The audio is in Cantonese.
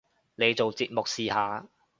你做節目試下